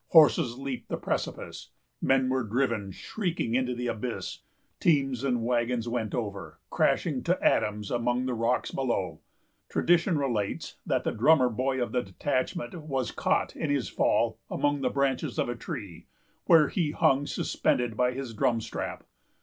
Horses leaped the precipice; men were driven shrieking into the abyss; teams and wagons went over, crashing to atoms among the rocks below. Tradition relates that the drummer boy of the detachment was caught, in his fall, among the branches of a tree, where he hung suspended by his drum strap.